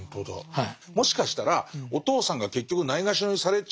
はい。